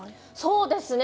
そうですね